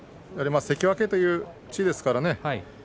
関脇という地位ですからね